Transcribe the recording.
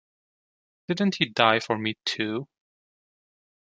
Didn't he die for me too?